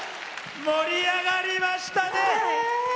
盛り上がりましたね！